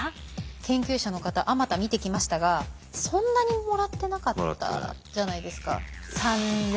研究者の方あまた見てきましたがそんなにもらってなかったじゃないですか。